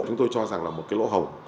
chúng tôi cho rằng là một cái lỗ hồng